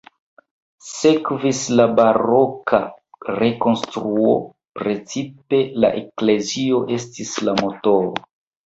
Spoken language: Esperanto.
Sekvis la baroka rekonstruo, precipe la eklezio estis la motoro.